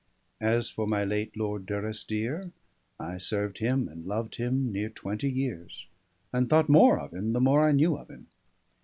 As for my late Lord Durrisdeer, I served him and loved him near twenty years; and thought more of him the more I knew of him.